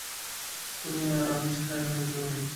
তুমি আর আমি ছাড়া এখানে কেউ নেই।